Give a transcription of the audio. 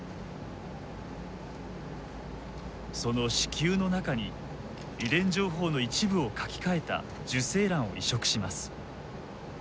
その子宮の中に遺伝情報の一部を書きかえた受精卵を移植します。